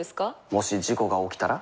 もし事故が起きたら？